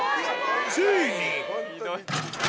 ついに。